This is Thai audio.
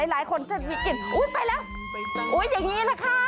หลายคนจะมีกลิ่นอุ๊ยไปแล้วอย่างนี้แหละค่ะ